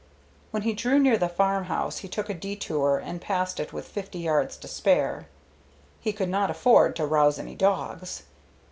When he drew near the farmhouse he took a detour and passed it with fifty yards to spare. He could not afford to rouse any dogs.